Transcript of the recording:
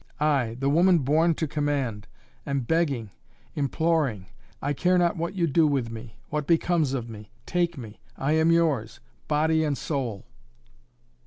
I, the woman born to command am begging imploring I care not what you do with me what becomes of me. Take me! I am yours body and soul!"